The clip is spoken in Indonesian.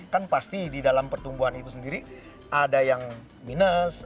kan pasti di dalam pertumbuhan itu sendiri ada yang minus